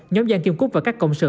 nhóm giang kim cúc và các công sự